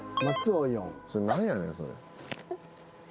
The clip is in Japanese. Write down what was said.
それ何やねんそれ。